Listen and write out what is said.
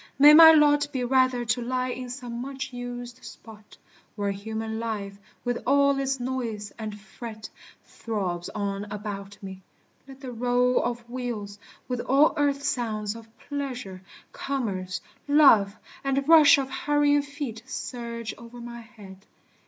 May my lot Be rather to lie in some much used spot, Where human life, with all its noise and fret, Throbs on about me. Let the roll of wheels, With all earth's sounds of pleasure, commerce, love, And rush of hurrying feet surge o'er my head.